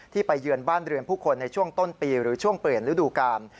ไปเยือนบ้านเรือนผู้คนในช่วงต้นปีหรือช่วงเปลี่ยนฤดูกาล